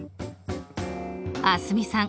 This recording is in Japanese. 蒼澄さん